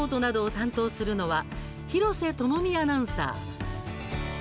担当するのは廣瀬智美アナウンサー。